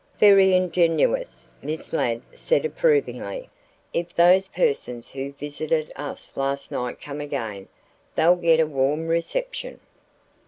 "Very ingenious," Miss Ladd said approvingly. "If those persons who visited us last night come again, they'll get a warm reception."